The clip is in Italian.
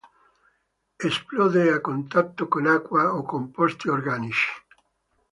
Esplode a contatto con acqua o composti organici.